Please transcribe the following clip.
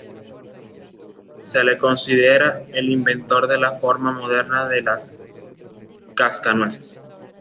Se le considera el inventor de la forma moderna del cascanueces.